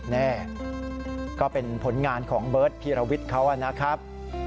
แน่ก็เป็นผลงานของเบิร์ตพีรวิทย์เขานะครับ